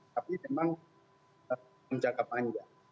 tapi memang menjaga panjang